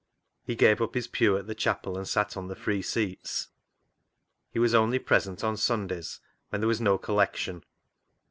He gave up his pew at the chapel, and sat on the free seats. He was only present on Sundays when there was no collection.